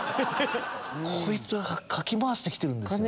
⁉こいつがかき回して来てるんですよね。